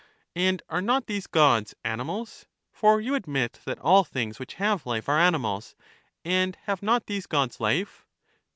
And are not these gods animals? For you admit that all things which have life are animals ; and have not these gods life?